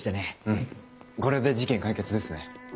うんこれで事件解決ですね。